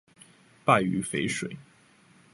敗於淝水